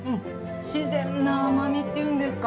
自然な甘みっていうんですか。